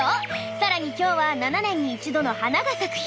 さらに今日は７年に一度の花が咲く日。